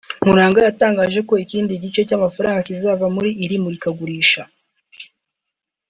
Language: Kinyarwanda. Nkuranga yatangaje ko ikindi gice cy’amafaranga azava muri iri murikagurisha